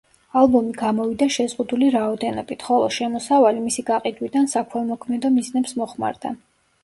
ალბომი გამოვიდა შეზღუდული რაოდენობით, ხოლო შემოსავალი მისი გაყიდვიდან საქველმოქმედო მიზნებს მოხმარდა.